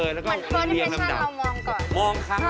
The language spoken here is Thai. เหมือนตอนที่เพชรเรามองก่อน